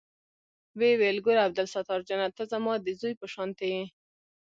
ويې ويل ګوره عبدالستار جانه ته زما د زوى په شانتې يې.